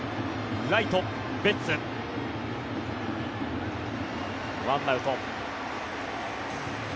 ライト、ベッツ１アウト。